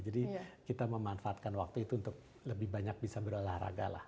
jadi kita memanfaatkan waktu itu untuk lebih banyak bisa berolahraga lah